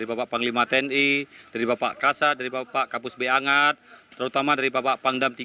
oke terus kemudian